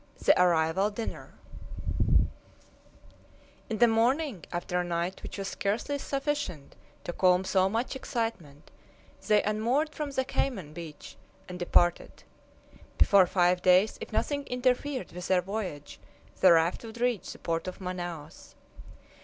THE ARRIVAL DINNER In the morning, after a night which was scarcely sufficient to calm so much excitement, they unmoored from the cayman beach and departed. Before five days, if nothing interfered with their voyage, the raft would reach the port of Manaos.